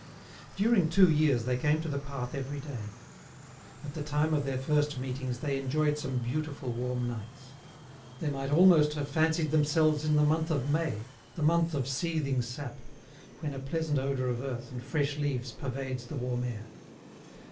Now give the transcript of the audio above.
During two years they came to the path every day. At the time of their first meetings they enjoyed some beautiful warm nights. They might almost have fancied themselves in the month of May, the month of seething sap, when a pleasant odour of earth and fresh leaves pervades the warm air.